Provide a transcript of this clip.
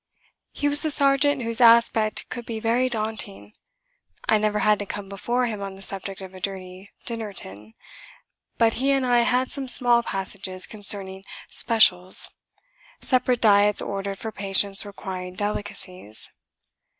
He was a sergeant whose aspect could be very daunting. I never had to come before him on the subject of a dirty dinner tin. But he and I had some small passages concerning "specials" (separate diets ordered for patients requiring delicacies).